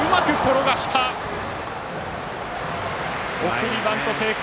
送りバント成功。